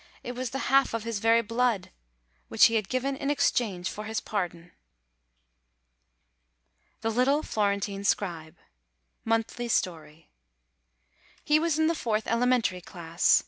it was the half of his very blood, which he had given in exchange for his pardon. THE LITTLE FLORENTINE SCRIBE (Monthly Story.) He was in the fourth elementary class.